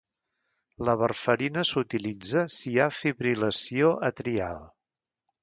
La warfarina s'utilitza si hi ha fibril·lació atrial.